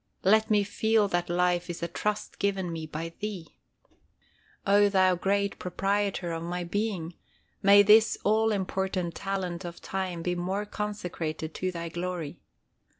Let me feel that life is a trust given me by Thee. O Thou Great Proprietor of my being, may this all important talent of time be more consecrated to Thy glory.